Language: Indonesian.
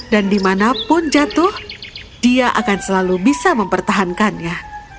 dan dimanapun jatuh dia akan selalu bisa mempertahankannya